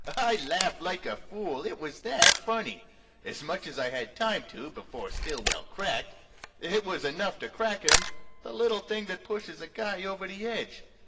I laughed like a fool it was that funny. As much as I had time to, before Stillwell cracked. It was enough to crack him the little thing that pushes a guy over the edge.